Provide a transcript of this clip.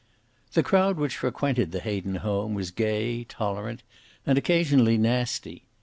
The crowd which frequented the Hayden home was gay, tolerant and occasionally nasty.